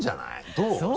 どう？